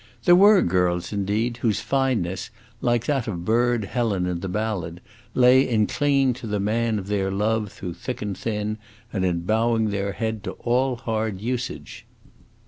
There were girls, indeed, whose fineness, like that of Burd Helen in the ballad, lay in clinging to the man of their love through thick and thin, and in bowing their head to all hard usage.